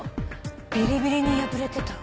ビリビリに破れてた。